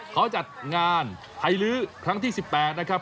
เขาจัดงานไทยลื้อครั้งที่๑๘นะครับ